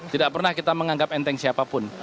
tidak pernah kita menganggap enteng siapapun